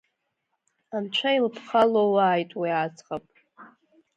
Анцәа илԥха лоуааит, уи аӡӷаб.